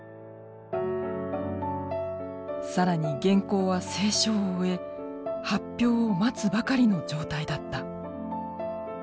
更に原稿は清書を終え発表を待つばかりの状態だった。